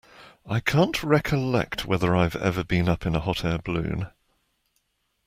I can't recollect whether I've ever been up in a hot air balloon.